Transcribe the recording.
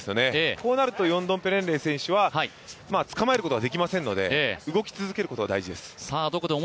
こうなるとヨンドンペレンレイ選手はつかまえることができませんので、動き続けることが大事です。